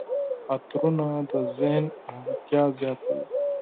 عطرونه د ذهن آرامتیا زیاتوي.